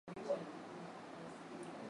Nilisahau simu yangu kwa nyumba